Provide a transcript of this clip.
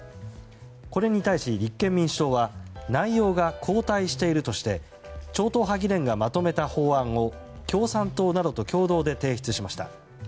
これに対し立憲民主党は内容が後退しているとして超党派議連がまとめた法案を共産党などと共同で提出しました。